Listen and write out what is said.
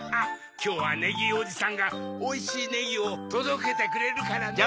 きょうはネギーおじさんがおいしいネギをとどけてくれるからね。